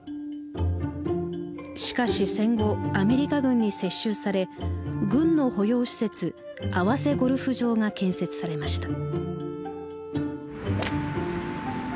しかし戦後アメリカ軍に接収され軍の保養施設泡瀬ゴルフ場が建設されました。